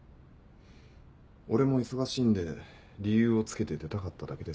俺も忙しいんで理由をつけて出たかっただけです。